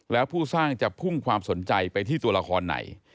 แล้วผู้สร้างจะพุ่งความสนใจไปที่ตัวละครไหน